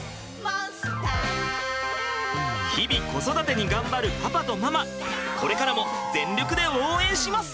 日々子育てに頑張るパパとママこれからも全力で応援します！